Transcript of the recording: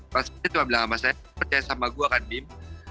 mas fajar cuma bilang sama saya percaya sama gue kan bim